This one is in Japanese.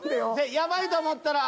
やばいと思ったら。